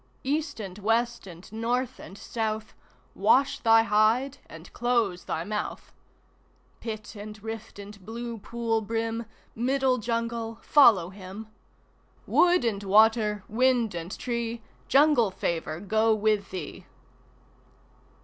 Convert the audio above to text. East and West and North and South, Wash thy hide and close thy mouth. (Pit and rift and blue pool brim, Middle Jungle follow him!) Wood and Water, Wind and Tree, Jungle Favour go with thee!